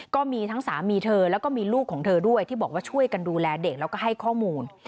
ก็มีทั้งสามีเธอแล้วก็มีลูกของเธอด้วยที่บอกว่าช่วยกันดูแลเด็กแล้วก็ให้ข้อมูล